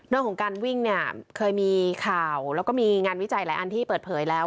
เรื่องของการวิ่งเนี่ยเคยมีข่าวแล้วก็มีงานวิจัยหลายอันที่เปิดเผยแล้ว